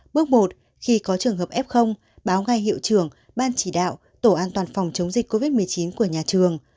bước một khi có trường hợp f báo ngay hiệu trưởng ban chỉ đạo tổ an toàn phòng chống dịch covid một mươi chín của nhà trường